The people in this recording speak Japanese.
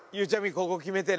ここ決めてね。